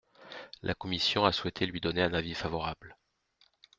La commission a souhaité lui donner un avis favorable.